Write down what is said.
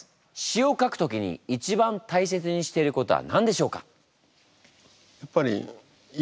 詞を書く時に一番大切にしていることは何でしょうか？